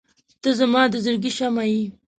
• ته زما د زړګي شمعه یې.